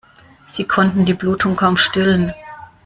Sie konnten die Blutung kaum stillen.